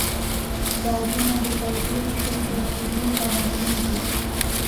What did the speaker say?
ګازونه د تودوخې په زیاتېدو پراخېږي.